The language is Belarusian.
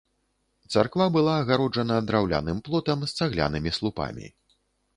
Царква была агароджана драўляным плотам з цаглянымі слупамі.